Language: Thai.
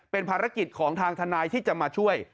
เป็นภารกิจของทางทนายที่จะมาช่วย